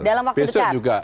dalam waktu dekat